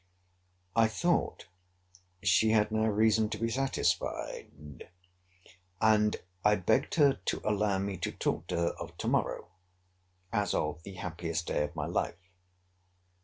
I thought she had now reason to be satisfied; and I begged her to allow me to talk to her of to morrow, as of the happiest day of my life.